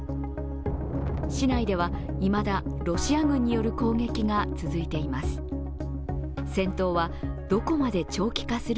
市内ではいまだロシア軍による攻撃が続いています。